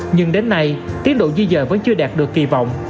nhưng đến nay tiến độ di dời vẫn chưa đạt được kỳ vọng